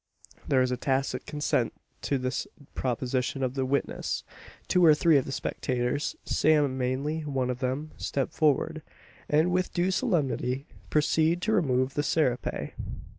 There is a tacit consent to this proposition of the witness. Two or three of the spectators Sam Manly one of them step forward; and with due solemnity proceed to remove the serape.